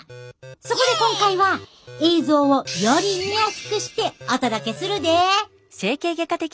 そこで今回は映像をより見やすくしてお届けするで！